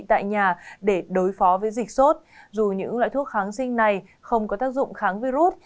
tại nhà để đối phó với dịch sốt dù những loại thuốc kháng sinh này không có tác dụng kháng virus